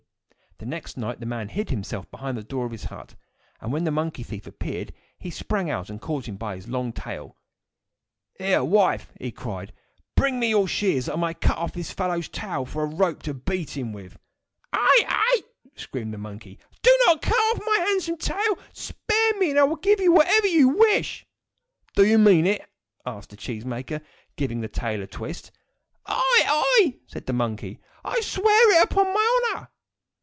The next night the man hid himself behind the door of the hut, and when the monkey thief appeared, he sprang out and caught him by his long tail. "Here, wife!" he cried, "bring me your shears, that I may cut off this fellow's tail for a rope to beat him with." "Ai, ai!" screamed the monkey. "Do not cut off my handsome tail! Spare me, and I will give you whatever you wish." "Do you mean it?" asked the cheese maker, giving the tail a twist. "Ai, ai!" said the monkey, "I swear it, upon my honour!"